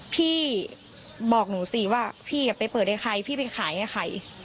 พี่บอกหนูสิว่าพี่ไปเปิดให้ใครพี่ไปขายให้ใคร